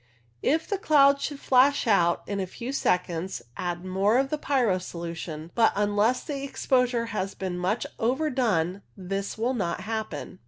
If the cloud should flash out in a few seconds add more of the pyro solution, but unless the exposure has been much overdone this will not happen.